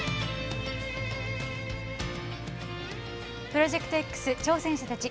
「プロジェクトＸ挑戦者たち」。